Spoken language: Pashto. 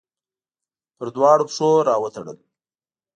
پر دواړو پښو راوتړل